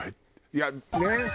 いやねっ！